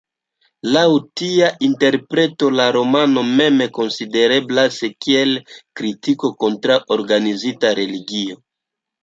Laŭ tia interpreto la romano mem konsidereblas kiel kritiko kontraŭ organizita religio.